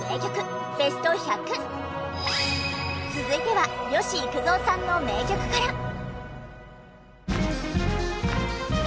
続いては吉幾三さんの名曲から。